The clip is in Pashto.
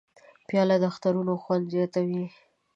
پیاله د اخترونو خوند زیاتوي.